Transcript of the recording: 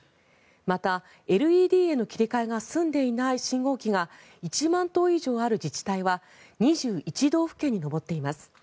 また、ＬＥＤへの切り替えが済んでいない信号機が１万灯以上ある自治体は２１道府県に上っています。